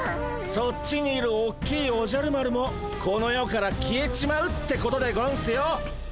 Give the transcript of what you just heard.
そっちにいるおっきいおじゃる丸もこの世から消えちまうってことでゴンスよ。